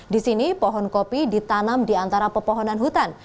di sini pohon kopi ditanam di antara pepohonan hutan